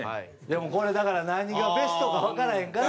でもこれだから何がベストかわからへんから。